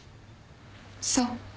そう。